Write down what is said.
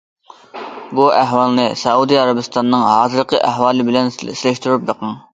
بۇ ئەھۋالنى سەئۇدى ئەرەبىستاننىڭ ھازىرقى ئەھۋالى بىلەن سېلىشتۇرۇپ بېقىڭ.